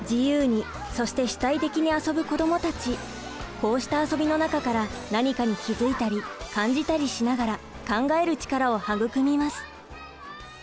こうした遊びの中から何かに気付いたり感じたりしながら考える力を育みます。